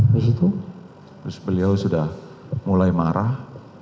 terus beliau sudah mulai marah